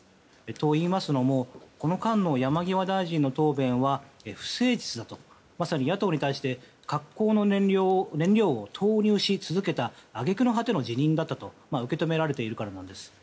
といいますのもこの間の山際大臣の答弁は不誠実だと。まさに野党に対して格好の燃料を投入し続けた揚げ句の果ての辞任だったと受け止められているからなんです。